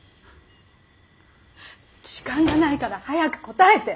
時間がないから早く答えて。